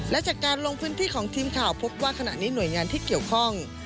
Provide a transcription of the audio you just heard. และจากการลงพื้นที่ของทีมข่าวพบว่าขณะนี้หน่วยงานที่เกี่ยวข้อง